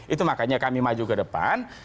itu makanya kami maju ke depan